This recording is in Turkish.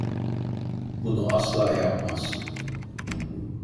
Bunu asla yapmaz.